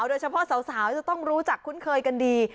โดยเฉพาะสาวจะต้องรู้จักคุ้นเคยกันดี